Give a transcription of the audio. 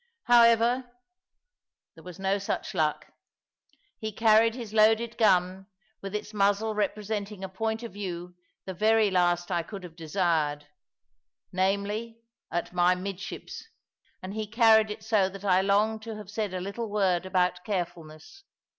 However, there was no such luck. He carried his loaded gun with its muzzle representing a point of view the very last I could have desired namely, at my midships; and he carried it so that I longed to have said a little word about carefulness.